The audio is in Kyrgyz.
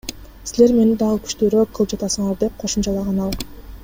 Силер мени дагы күчтүүрөөк кылып жатасыңар, — деп кошумчалаган ал.